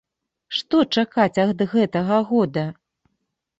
Што чакаць ад гэтага года?